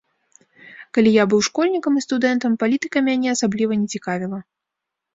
Калі я быў школьнікам і студэнтам, палітыка мяне асабліва не цікавіла.